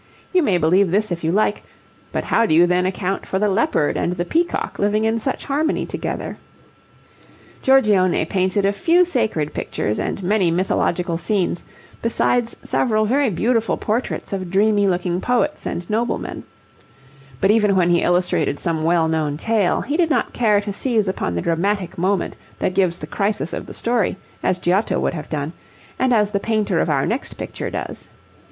You may believe this if you like, but how do you then account for the leopard and the peacock living in such harmony together? [Illustration: "THE GOLDEN AGE" From the picture by Giorgione, in the National Gallery, London] Giorgione painted a few sacred pictures and many mythological scenes, besides several very beautiful portraits of dreamy looking poets and noblemen. But even when he illustrated some well known tale, he did not care to seize upon the dramatic moment that gives the crisis of the story, as Giotto would have done, and as the painter of our next picture does.